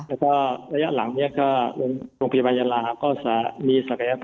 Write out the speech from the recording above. แล้วก็ระยะหลังนี้ก็โรงพยาบาลยะลาก็มีเครื่องตรวจ